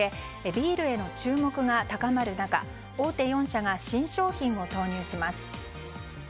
ビールへの注目が高まる中大手４社が新商品を投入します。